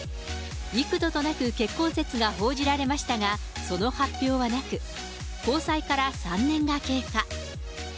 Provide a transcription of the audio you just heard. いくどとなく結婚説が報じられましたが、その発表はなく、交際から３年が経過。